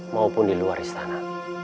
maupun di luar istana